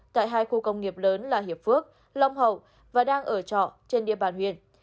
tại hai khu công nghiệp lớn là hiệp phước long hậu và đang ở trọ trên địa bàn huyện